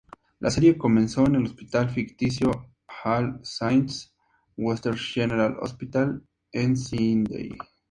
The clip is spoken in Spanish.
La serie comenzó en el hospital ficticio "All Saints Western General Hospital" en Sydney.